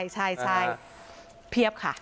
ใช่เพียบค่ะ